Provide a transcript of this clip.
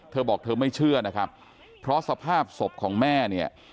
เธอบอกเธอไม่เชื่อนะครับเพราะสภาพศพของแม่เนี่ย